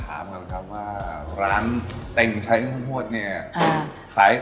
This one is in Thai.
จะเป็นว่าทักวันอีกร้านใช้น้องพวชเนี่ย